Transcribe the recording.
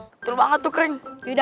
betul banget tuh kring